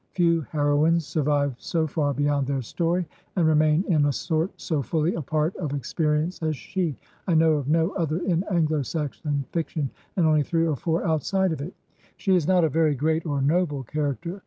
Few hero ines survive so far beyond their story, and remain in a sort so fully a part of experience as she ; I know of no other in Anglo Saxon fiction, and only three or four outside of it. She is not a very great or noble character.